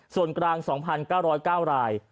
ส่วนกลาง๒๙๐๙ราย